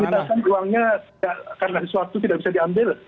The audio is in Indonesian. kita kan uangnya karena suatu tidak bisa diambil